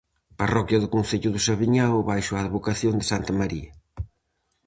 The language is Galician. Parroquia do concello do Saviñao baixo a advocación de santa María.